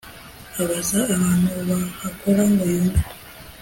abaza abantu bahakora ngo yumve